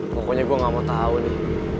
pokoknya gue gak mau tahu nih